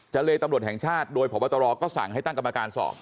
เลตำรวจแห่งชาติโดยพบตรก็สั่งให้ตั้งกรรมการสอบ